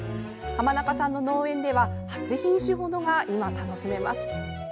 濱中さんの農園では８品種ほどが今、楽しめます。